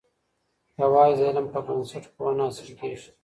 یوازي د علم په بنسټ پوهه نه حاصل کېږي.